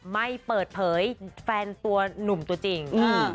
ไม่เปิดเผยแฟนตัวหนุ่มตัวจริง